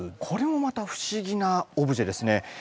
これもまた不思議なオブジェですね。